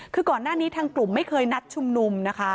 คือก่อนหน้านี้ทางกลุ่มไม่เคยนัดชุมนุมนะคะ